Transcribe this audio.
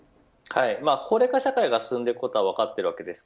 高齢化社会が進んでいくことは分かっています。